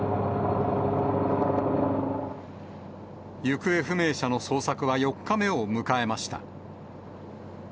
行方不明者の捜索は４日目を迎えました。